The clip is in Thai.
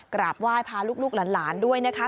กราบไหว้พาลูกหลานด้วยนะคะ